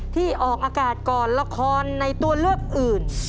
ที่ออกอากาศก่อนละครในตัวเลือกอื่น